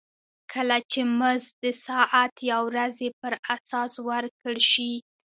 کله چې مزد د ساعت یا ورځې پر اساس ورکړل شي